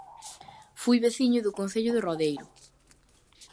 Foi veciño do Concello de Rodeiro